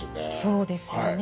そうですよね。